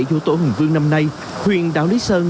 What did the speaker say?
vô tổ hồng vương năm nay huyện đảo lý sơn